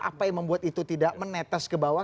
apa yang membuat itu tidak menetes ke bawah